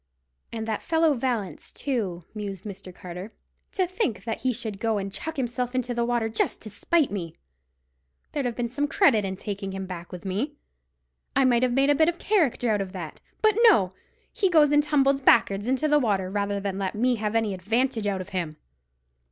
"And that fellow Vallance, too," mused Mr. Carter, "to think that he should go and chuck himself into the water just to spite me! There'd have been some credit in taking him back with me. I might have made a bit of character out of that. But, no! he goes and tumbles back'ards into the water, rather than let me have any advantage out of him."